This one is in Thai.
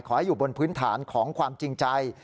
ให้อยู่บนพื้นฐานของความจริงใจ